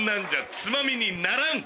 つまみにならん！